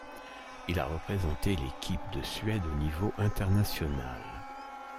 Il a représenté l'équipe de Suède au niveau international.